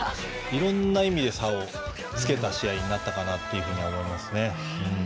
いろんな意味で差をつけた試合になったと思いますね。